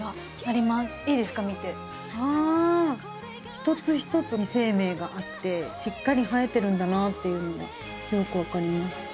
一つ一つに生命があってしっかり生えてるんだなっていうのがよく分かります。